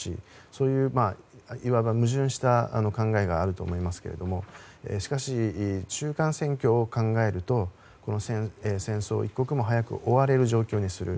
そういう、いわば矛盾した考えがあると思いますけどしかし、中間選挙を考えるとこの戦争を一刻も早く終われる状況にする。